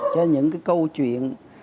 cho những cái câu chuyện